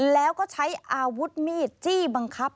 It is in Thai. แล้วก็ใช้อาวุธมีดจี้บังคับ